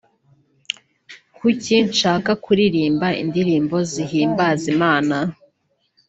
Kuki nshaka kuririmba indirimbo zihimbaza Imana